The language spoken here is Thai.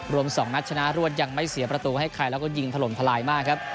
๒นัดชนะรวดยังไม่เสียประตูให้ใครแล้วก็ยิงถล่มทลายมากครับ